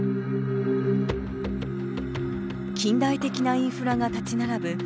近代的なインフラが立ち並ぶ